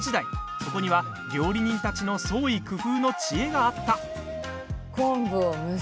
そこには料理人たちの創意工夫の知恵があった。